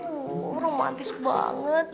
uh romantis banget